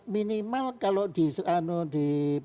minimal kalau di